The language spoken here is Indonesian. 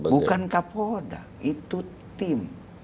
bukan kapodak itu tim